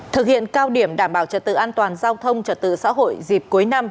thực hiện cao điểm đảm bảo trật tự an toàn giao thông trật tự xã hội dịp cuối năm